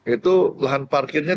itu lahan parkirnya